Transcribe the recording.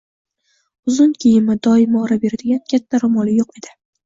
Uzun kiyimi, doim oʻrab yuradigan katta roʻmoli yoʻq edi.